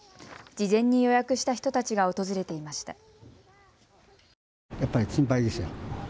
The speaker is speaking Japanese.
事前に予約した人たちが訪れていました。